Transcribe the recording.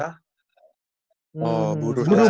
oh buruh buruh buruh gitu ya